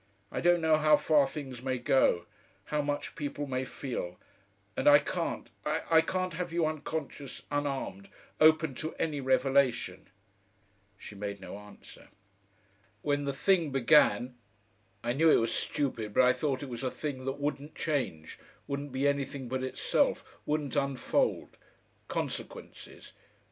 I don't know how far things may go, how much people may feel, and I can't, I can't have you unconscious, unarmed, open to any revelation " She made no answer. "When the thing began I knew it was stupid but I thought it was a thing that wouldn't change, wouldn't be anything but itself, wouldn't unfold consequences....